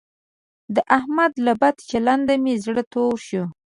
د احمد له بد چلنده مې زړه تور شو.